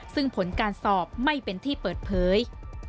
ซึ่งผลการสอบไม่เป็นที่เปิดเผย